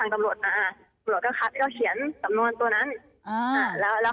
ซึ่งพอส่งตัวนั้นเนี่ยทำให้หนูดูเป็นคนร้ายเลย